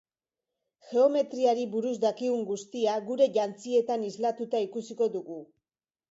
Geometriari buruz dakigun guztia gure jantzietan islatuta ikusiko dugu.